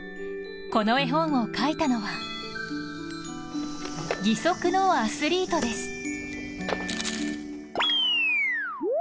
この絵本を描いたのは、義足のアスリートです。